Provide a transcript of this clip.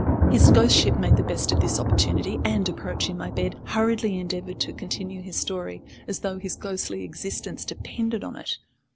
His ghostship made the best of his opportunity, and, approaching my bed, hurriedly endeavoured to continue his story, as though his ghostly existence depended on it.